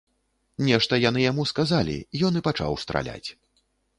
Нешта яны яму сказалі, ён і пачаў страляць.